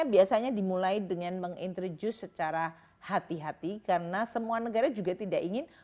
biasanya dimulai dengan meng introduce secara hati hati karena semua negara juga tidak ingin